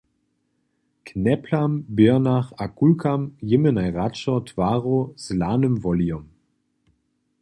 K neplam, běrnach a kulkam jěmy najradšo twaroh z lanym wolijow.